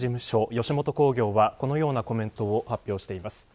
吉本興業は、このようなコメントを発表しています。